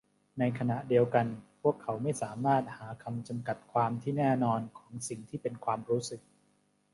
ในขณะเดียวกันพวกเขาไม่สามารถหาคำจำกัดความที่แน่นอนของสิ่งที่เป็นความรู้สึก